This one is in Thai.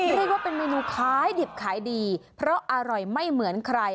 เรียกว่าเป็นเมนูขายดิบขายดีเพราะอร่อยไม่เหมือนใคร